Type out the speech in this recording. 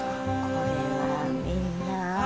これはみんな。